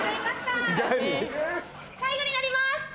最後になります！